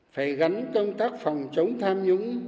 phải gắn công tác phòng chống tham nhũng